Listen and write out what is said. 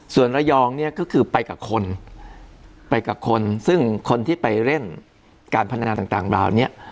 ส่วนระยองเนี่ยก็คือไปกับคนไปกับคนซึ่งคนที่ไปเล่นการพนันต่างเหล่านี้